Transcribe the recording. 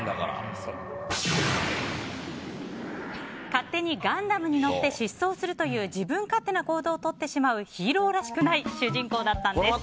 勝手にガンダムに乗って失踪するという自分勝手な行動をとってしまうヒーローらしくない主人公だったんです。